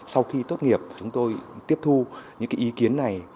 sau khi tốt nghiệp chúng tôi tiếp thu những cái ý kiến này